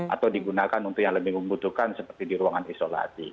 atau digunakan untuk yang lebih membutuhkan seperti di ruangan isolasi